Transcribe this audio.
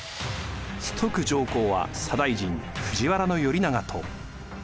崇徳上皇は左大臣藤原頼長と。